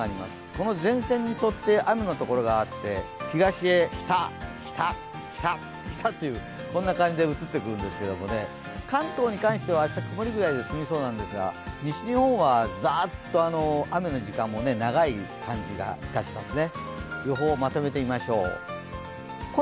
この前線に沿って雨のところがあって、東へひたひたひたと、こんな感じで移ってくるんですけれども、関東に関しては明日曇りぐらいで済みそうなんですが、西日本はざっと雨の時間も長い感じがいたしますね。